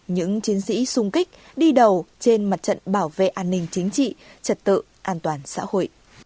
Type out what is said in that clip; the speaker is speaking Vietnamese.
những chiến sĩ sung kích đi đầu trên mặt trận bảo vệ an ninh chính trị trật tự an toàn xã hội